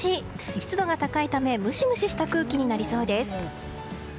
湿度が高いためムシムシした空気になりそうです。